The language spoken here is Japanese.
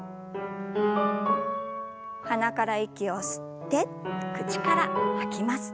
鼻から息を吸って口から吐きます。